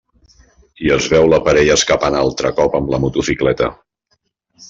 I es veu la parella escapant altre cop amb la motocicleta.